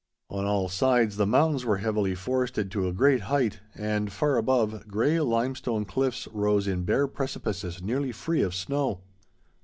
On all sides, the mountains were heavily forested to a great height, and, far above, gray limestone cliffs rose in bare precipices nearly free of snow.